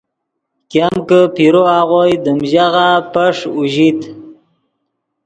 ګیم کہ پیرو آغوئے دیم ژاغہ پیݰ اوژیت